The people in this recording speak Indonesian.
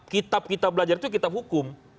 kitab kita belajar itu kitab hukum